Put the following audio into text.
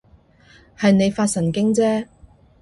係你發神經啫